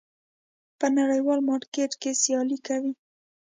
په نړیوال مارکېټ کې سیالي کوي.